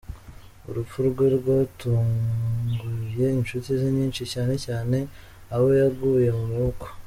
Urupfu rwe rwatunguye inshuti ze nyinshi, cyane cyane abo yaguye mu maboko.